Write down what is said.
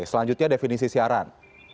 selanjutnya definisi siaran